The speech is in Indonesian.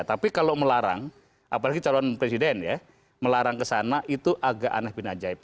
tapi kalau melarang apalagi calon presiden ya melarang ke sana itu agak aneh bin ajaib